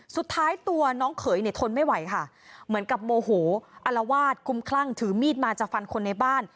สุดท้ายตัวน้องเขยเนี่ยทนไม่ไหวค่ะเหมือนกับโมโหอลวาดคุ้มคลั่งถือมีดมาจะฟันคนในบ้าน